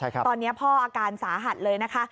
ตอนนี้พ่ออาการสาหัสเลยนะคะ